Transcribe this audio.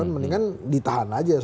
mendingan ditahan aja